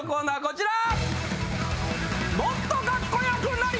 こちら！